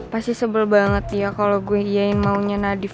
pasti sebel banget ya kalo gue iain maunya nadif